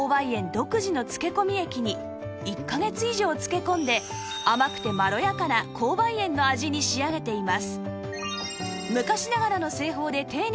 独自の漬け込み液に１カ月以上漬け込んで甘くてまろやかな紅梅園の味に仕上げています